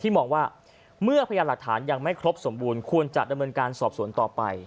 มองว่าเมื่อพยานหลักฐานยังไม่ครบสมบูรณ์ควรจะดำเนินการสอบสวนต่อไป